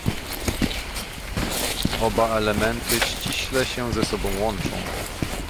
oba elementy ściśle się ze sobą łączą